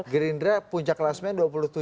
gerindra puncak kelasnya dua puluh tujuh